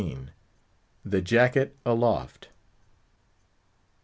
THE JACKET ALOFT.